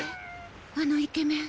あのイケメン。